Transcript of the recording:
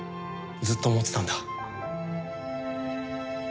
ずっと思ってたんだ。